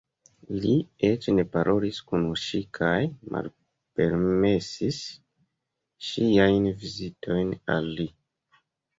Li eĉ ne parolis kun ŝi kaj malpermesis ŝiajn vizitojn al li.